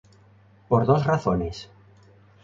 Por dos razones.